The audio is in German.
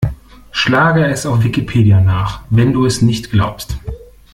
Schlage es auf Wikipedia nach, wenn du es nicht glaubst!